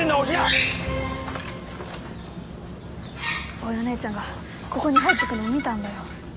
おようねえちゃんがここに入ってくのを見たんだよ。